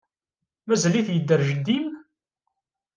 Mazal-it yedder jeddi-m?